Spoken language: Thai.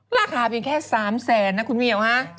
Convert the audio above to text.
ราคาเป็นแค่๓แสนนะคุณเมียว